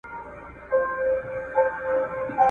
آس هم د ننګ وي هم د جنګ وي ..